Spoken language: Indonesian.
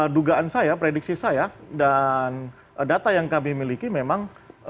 dugaan saya prediksi saya dan data yang kami miliki memang